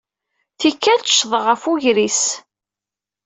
Tikkal tteccgeɣ ɣef wegris.